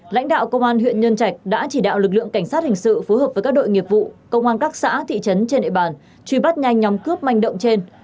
lãnh đạo công an huyện nhân trạch đã chỉ đạo lực lượng cảnh sát hình sự phối hợp với các đội nghiệp vụ công an các xã thị trấn trên địa bàn truy bắt nhanh nhóm cướp manh động trên